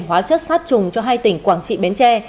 hóa chất sát trùng cho hai tỉnh quảng trị bến tre